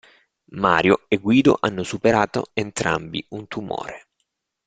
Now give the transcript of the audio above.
Mario e Guido hanno superato entrambi un tumore.